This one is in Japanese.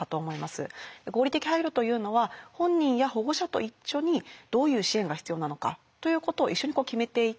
合理的配慮というのは本人や保護者と一緒にどういう支援が必要なのかということを一緒に決めていってその支援を実行していくことなんですけれども